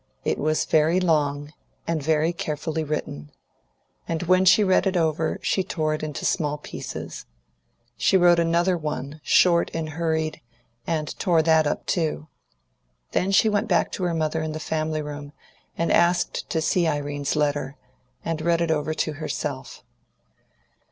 It was very long, and very carefully written; and when she read it over, she tore it into small pieces. She wrote another one, short and hurried, and tore that up too. Then she went back to her mother, in the family room, and asked to see Irene's letter, and read it over to herself.